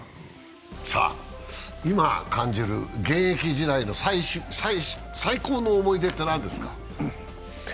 今感じる現役時代の最高の思い出って何ですか？